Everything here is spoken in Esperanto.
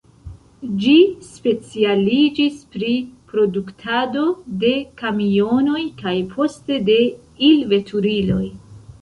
Ĝi specialiĝis pri produktado de kamionoj kaj poste de il-veturiloj.